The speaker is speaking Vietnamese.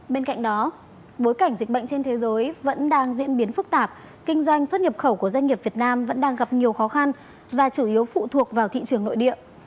bên cạnh đó bối cảnh dịch bệnh trên thế giới vẫn đang diễn biến phức tạp kinh doanh xuất nhập khẩu của doanh nghiệp việt nam vẫn đang gặp nhiều khó khăn và chủ yếu phụ thuộc vào thị trường nội địa